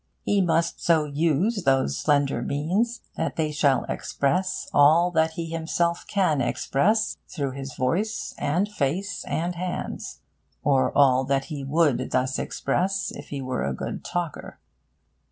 He must so use those slender means that they shall express all that he himself can express through his voice and face and hands, or all that he would thus express if he were a good talker.